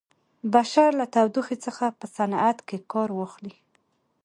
بشر له تودوخې څخه په صنعت کې کار واخلي.